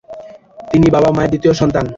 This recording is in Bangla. তিনি বাবা মায়ের দ্বিতীয় সন্তান।